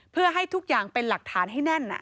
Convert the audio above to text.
เพื่อให้ทุกอย่างเป็นหลักฐานให้แน่น